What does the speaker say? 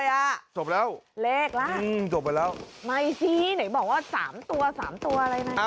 รอเลขด้วยล่ะเลขล่ะจบไปแล้วไม่สิหน่อยบอกว่า๓ตัว๓ตัวอะไร